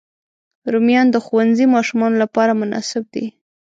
رومیان د ښوونځي ماشومانو لپاره مناسب دي